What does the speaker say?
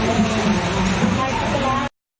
โอเคโอเคโอเค